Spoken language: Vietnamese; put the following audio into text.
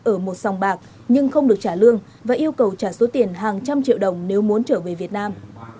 ở một sòng bạc nhưng không được trả lương và yêu cầu trả số tiền hàng trăm triệu đồng nếu muốn trở về việt nam